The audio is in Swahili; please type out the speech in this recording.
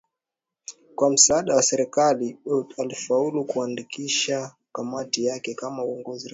Kwa msaada wa serikali Biwott alifaulu kuandikisha kamati yake kama uongozi rasmi